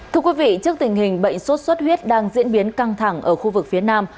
trước tình hình bệnh suốt suốt huyết đang diễn biến căng thẳng ở khu vực phía nam